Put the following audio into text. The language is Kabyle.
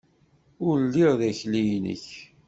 Ur lliɣ d akli-nnek!